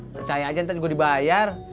percaya aja kita juga dibayar